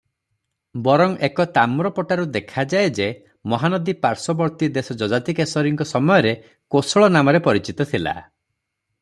ବରଂ ଏକ ତାମ୍ରପଟାରୁ ଦେଖାଯାଏ ଯେ ମହାନଦୀ ପାର୍ଶ୍ୱବର୍ତ୍ତୀଦେଶ ଯଯାତିକେଶରୀଙ୍କ ସମୟରେ କୋଶଳ ନାମରେ ପରିଚିତ ଥିଲା ।